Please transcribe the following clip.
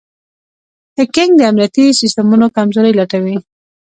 هیکنګ د امنیتي سیسټمونو کمزورۍ لټوي.